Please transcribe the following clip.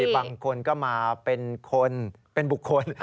บางคนก็มาเป็นบุคคล